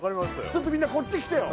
ちょっとみんなこっち来てよ